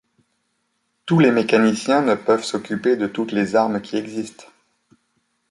Tous les mécaniciens ne peuvent s'occuper de toutes les armes qui existent.